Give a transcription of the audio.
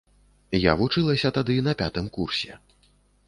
Я вучылася тады на пятым курсе.